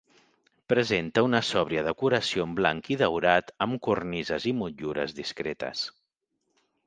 Presenta una sòbria decoració en blanc i daurat amb cornises i motllures discretes.